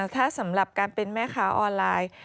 ถ้าสำหรับการเป็นแม่ค้าออนไลน์